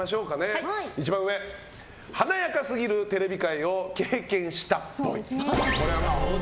一番上、華やかすぎるテレビ界を経験したっぽい。